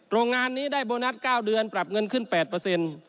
โรงงานนี้ได้โบนัส๙เดือนปรับเงินขึ้น๘